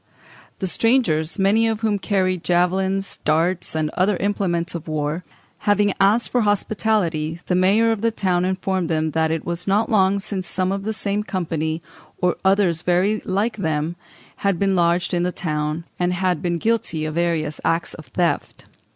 The strangers, many of whom carried "javelins, darts, and other implements of war," having asked for hospitality, the mayor of the town informed them "that it was not long since some of the same company, or others very like them, had been lodged in the town, and had been guilty of various acts of theft."